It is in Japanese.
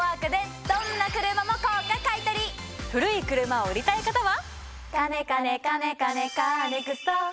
古い車を売りたい方は。